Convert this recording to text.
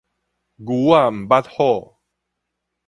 牛仔毋捌虎